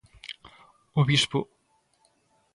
O bispo.